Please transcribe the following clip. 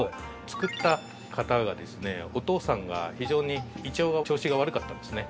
作った方がですねお父さんが非常に胃腸の調子が悪かったんですね。